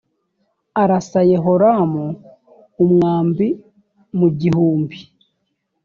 arasa yehoramu umwambi mu gihumbi